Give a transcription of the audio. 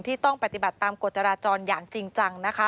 ต้องปฏิบัติตามกฎจราจรอย่างจริงจังนะคะ